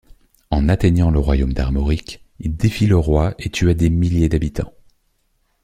En atteignant le royaume d'Armorique, il défit le roi et tua des milliers d'habitants.